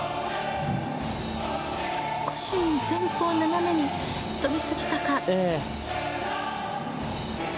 少し前方斜めに跳びすぎたか。